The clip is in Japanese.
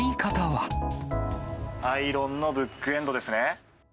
アイロンのブックエンドです